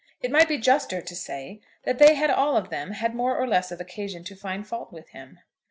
It might be juster to say that they had all of them had more or less of occasion to find fault with him.